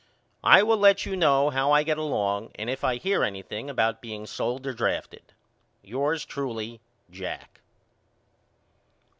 I will let you know how I get along and if I hear anything about being sold or drafted. Yours truly, JACK.